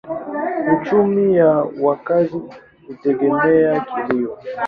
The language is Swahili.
Uchumi ya wakazi hutegemea kilimo.